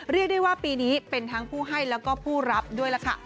เรียกได้ว่าปีนี้เป็นทั้งผู้ให้แล้วก็ผู้รับด้วยล่ะค่ะ